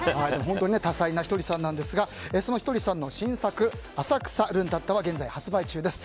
多才なひとりさんなんですがそのひとりさんの新作「浅草ルンタッタ」は現在発売中です。